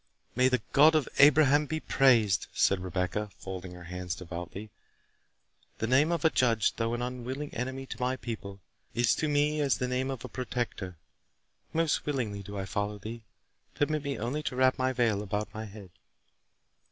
"May the God of Abraham be praised!" said Rebecca, folding her hands devoutly; "the name of a judge, though an enemy to my people, is to me as the name of a protector. Most willingly do I follow thee—permit me only to wrap my veil around my head."